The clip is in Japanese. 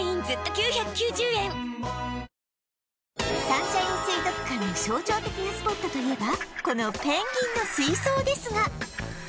サンシャイン水族館の象徴的なスポットといえばこのペンギンの水槽ですが